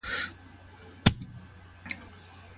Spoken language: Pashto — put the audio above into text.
میندي د کورنۍ روغتیا څنګه ساتي؟